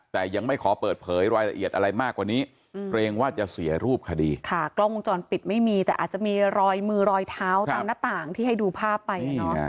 แต่ยังไม่ขอเปิดเผยรายละเอียดอะไรมากกว่านี้